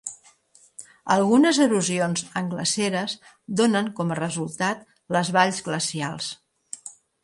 Algunes erosions en glaceres donen com a resultat les valls glacials.